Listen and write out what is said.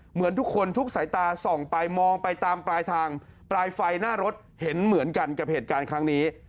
เหมือนทุกคนทุกสายตาส่องไปมองไปตามปลายทางปลายไฟหน้ารถเห็นเหมือนกันกับเหตุการณ์ครั้งนี้